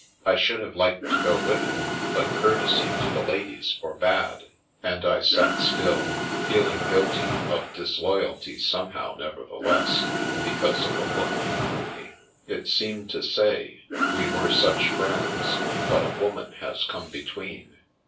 I should have liked to go with him, but courtesy to the ladies forbade, and I sat still, feeling guilty of dis loyalty somehow, nevertheless, because of a look he threw me. It seemed to say, " We were such friends, but a woman has come between.